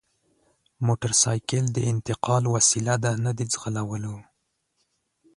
موټرسایکل د انتقال وسیله ده نه د ځغلولو!